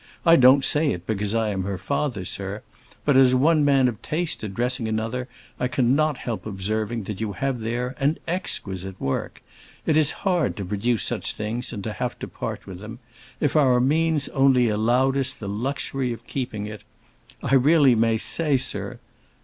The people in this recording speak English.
I don't say it because I am her father, sir; but as one man of taste addressing another I cannot help observing that you have there an exquisite work. It is hard to produce such things and to have to part with them. If our means only allowed us the luxury of keeping it! I really may say, sir—" and M.